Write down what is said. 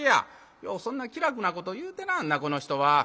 「ようそんな気楽なこと言うてなはんなこの人は。